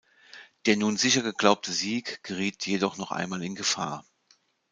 Der nun sicher geglaubte Sieg geriet jedoch noch einmal in Gefahr.